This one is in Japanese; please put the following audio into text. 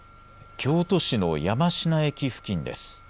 京都市の山科駅付近です。